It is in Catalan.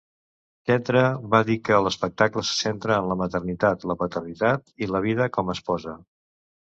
Kendra va dir que l'espectacle se centra en la "maternitat, la paternitat i la vida com a esposa".